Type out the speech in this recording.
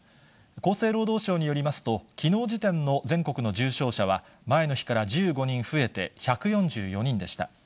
厚生労働省によりますと、きのう時点の全国の重症者は前の日から１５人増えて、１４４人でした。